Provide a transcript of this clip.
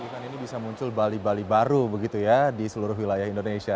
ini bisa muncul bali bali baru begitu ya di seluruh wilayah indonesia